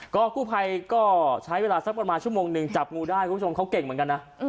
ก็กู้ภัยก็ใช้เวลาสักประมาณชั่วโมงหนึ่งจับงูได้คุณผู้ชมเขาเก่งเหมือนกันนะ